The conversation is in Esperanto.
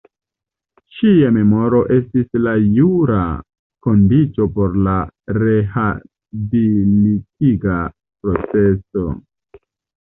Ŝia memoro estis la jura kondiĉo por la rehabilitiga proceso.